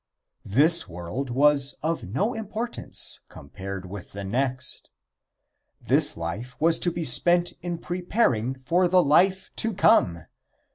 This world was of no importance compared with the next. This life was to be spent in preparing for the life to come.